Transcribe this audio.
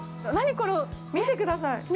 ◆何、この、見てください。